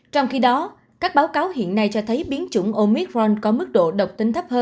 trong khi đó các báo cáo hiện nay cho thấy biến chủng omitron có mức độ độc tính thấp hơn